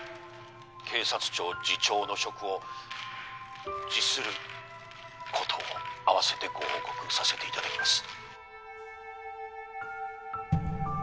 警察庁次長の職を辞することを合わせてご報告させていただきます。